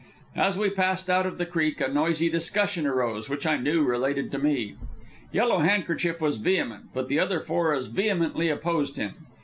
As we passed out of the creek a noisy discussion arose, which I knew related to me. Yellow Handkerchief was vehement, but the other four as vehemently opposed him.